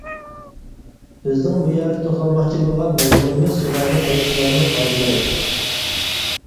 بىزنىڭ بۇ يەردە توختالماقچى بولغان مەزمۇنىمىز سۇلايمان ئەلەيھىسسالامنىڭ ئاتلىرى.